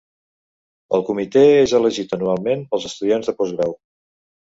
El Comitè és elegit anualment pels estudiants de postgrau.